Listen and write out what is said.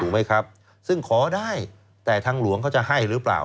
ไหมครับซึ่งขอได้แต่ทางหลวงเขาจะให้หรือเปล่า